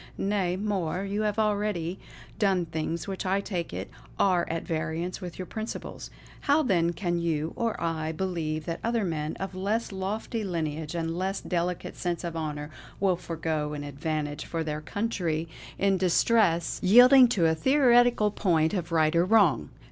Nay more, you have already done things which I take it are at variance with your principles. How then can you, or I, believe that other men, of less lofty lineage and less delicate sense of honour, will forego an advantage for their country in distress, yielding to a theoretical point of right or wrong.